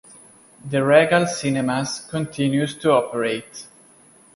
The Regal Cinemas continues to operate.